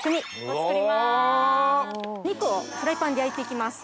お肉をフライパンで焼いて行きます。